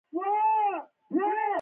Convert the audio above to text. هوښیاري دا ده چې د تېرو نه زده کړې.